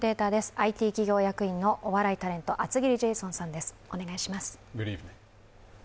ＩＴ企業役員でお笑いタレントの厚切りジェイソンさんです。